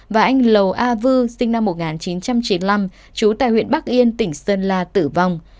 và anh lầu a vư sinh năm một nghìn chín trăm chín mươi năm trú tại huyện bắc yên tỉnh sơn la tử vong